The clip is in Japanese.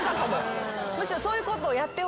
むしろ。